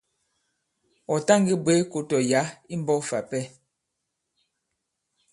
Ɔ̀ ta ngē bwě kō tɔ̀ yǎ i mbɔ̄k fà ipɛ.